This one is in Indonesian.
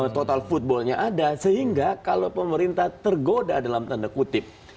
total footballnya ada sehingga kalau pemerintah tergoda dalam tanda kutip